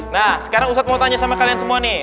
nah sekarang ustadz mau tanya sama kalian semua nih